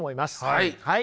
はい。